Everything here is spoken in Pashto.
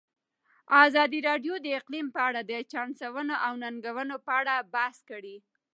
ازادي راډیو د اقلیم په اړه د چانسونو او ننګونو په اړه بحث کړی.